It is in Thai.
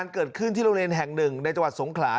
เกิดขึ้นที่โรงเรียนแห่งหนึ่งในจังหวัดสงขลา